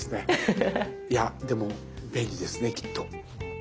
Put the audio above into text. いやでも便利ですねきっと。